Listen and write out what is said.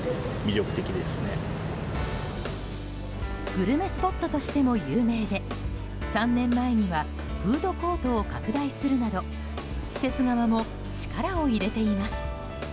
グルメスポットとしても有名で３年前にはフードコートを拡大するなど施設側も力を入れています。